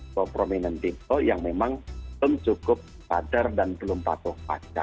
atau prominent people yang memang cukup padar dan belum patuh